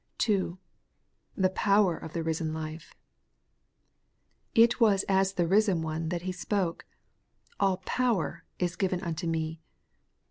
2. The power of the risen life. It was as the risen One that He spoke, ' All power is given unto me.'